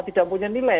tidak punya nilai